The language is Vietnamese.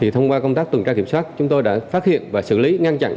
thông qua công tác tuần tra kiểm soát chúng tôi đã phát hiện và xử lý ngăn chặn